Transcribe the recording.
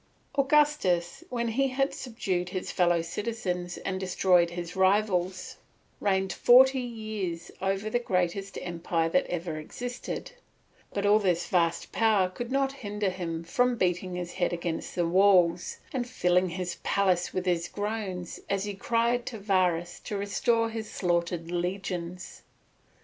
Augustus, when he had subdued his fellow citizens and destroyed his rivals, reigned for forty years over the greatest empire that ever existed; but all this vast power could not hinder him from beating his head against the walls, and filling his palace with his groans as he cried to Varus to restore his slaughtered legions.